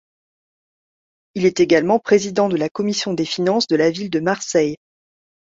Il est également président de la commission des Finances de la ville de Marseille.